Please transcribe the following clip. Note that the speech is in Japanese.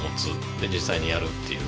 で実際にやるっていう。